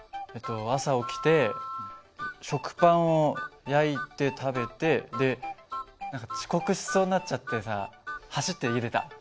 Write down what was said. えっと朝起きて食パンを焼いて食べてで何か遅刻しそうになっちゃってさ走って家出た。